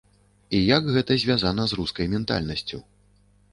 І як гэта звязана з рускай ментальнасцю.